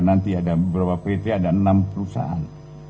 nanti ada beberapa pt ada enam perusahaan